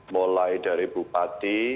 mulai dari bupati